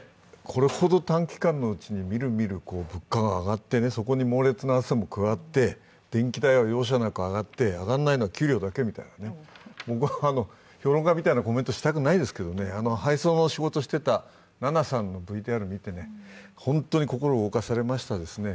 これほど短期間のうちにみるみる物価が上がって、そこに猛烈な暑さも加わって、電気代は容赦なく上がって上がらないのは給料だけみたいな、僕は評論家みたいなコメントをしたくないですけれども、配送の仕事をしていた、ななさんのＶＴＲを見て、本当に心を動かされましたね。